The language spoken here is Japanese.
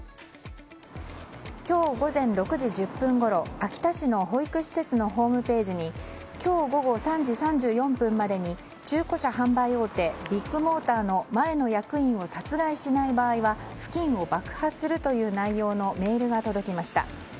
今日午前６時１０分ごろ秋田市の保育施設のホームページに今日午後３時３４分までに中古車販売大手ビッグモーターの前の役員を殺害しない場合は付近を爆破するという内容のメールが届きました。